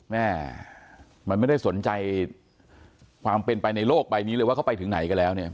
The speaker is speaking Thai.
แม่มันไม่ได้สนใจความเป็นไปในโลกใบนี้เลยว่าเขาไปถึงไหนกันแล้วเนี่ย